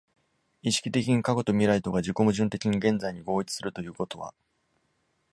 意識的に過去と未来とが自己矛盾的に現在に合一するということは、